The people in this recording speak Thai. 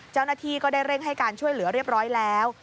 เจ้าหน้าที่ก็ได้เร่งให้การช่วยเหลือเรียบร้อยแล้ว